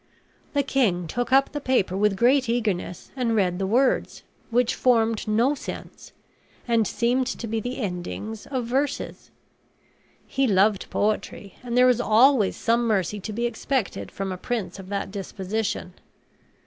The king took up the paper with great eagerness and read the words, which formed no sense, and seemed to be the endings of verses. He loved poetry; and there is always some mercy to be expected from a prince of that disposition.